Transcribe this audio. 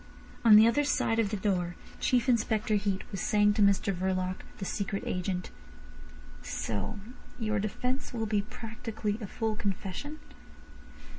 On the other side of the door, Chief Inspector Heat was saying to Mr Verloc, the secret agent: "So your defence will be practically a full confession?"